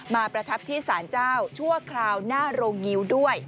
ประทับที่สารเจ้าชั่วคราวหน้าโรงงิ้วด้วย